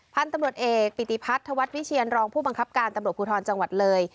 พันธุ์ตำรวจเอกปิติพัฒนธวัฒน์วิเชียนรองผู้บังคับการตำรวจภูทรจังหวัดเลย